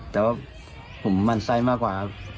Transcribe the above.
แต่ว่าผมมั่นไส้มากกว่าครับ